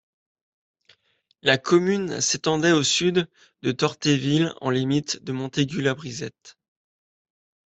La commune s'étendait au Sud de Teurthéville en limite de Montaigu-la-Brisette.